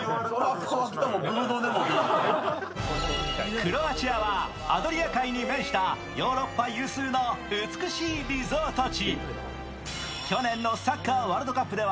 クロアチアはアドリア海に面したヨーロッパ有数の美しいリゾート地。